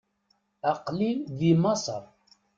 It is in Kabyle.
Aql-i di Maseṛ.